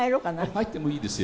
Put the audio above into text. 入ってもいいですよ。